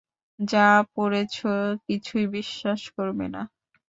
যা পড়েছ কিছুই বিশ্বাস করবে না।